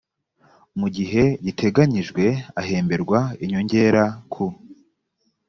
gihe giteganyijwe ahemberwa inyongera ku